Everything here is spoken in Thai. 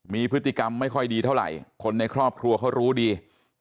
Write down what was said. มีพฤติกรรมไม่ค่อยดีเท่าไหร่คนในครอบครัวเขารู้ดี